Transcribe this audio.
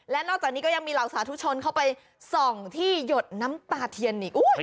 และนอกจากนี้ก็ยังมีเหล่าสาธุชนเข้าไปส่องที่หยดน้ำตาเทียนอีก